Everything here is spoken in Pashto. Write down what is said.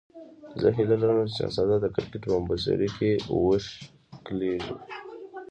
زه هیله لرم چې شهزاد د کرکټ په مبصرۍ کې وښکلېږي.